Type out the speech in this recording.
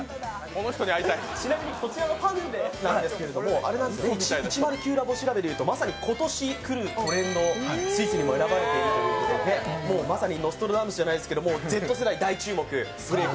ちなみにこちらのパヌレなんですけれども、１０９調べでいうとまさに今年来るトレンドにも選ばれているということで、まさにノストラダムスじゃないですけどＺ世代大ブレーク